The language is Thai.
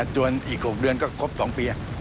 จนอีก๖เดือนก็ครบ๒ปี